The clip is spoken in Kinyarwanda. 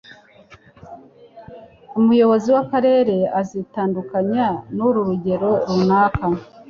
Umuyobozi w'akarere azitandukanya ku rugero runaka.